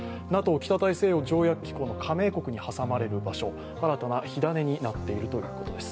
ＮＡＴＯ＝北大西洋条約機構の加盟国に挟まれる場所、新たな火種になっているということです。